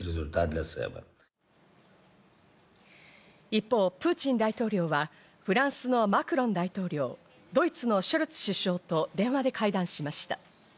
一方プーチン大統領がフランスのマクロン大統領、ドイツのショルツ首相と電話で会談しました。